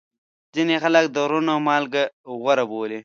ځینې خلک د غرونو مالګه غوره بولي.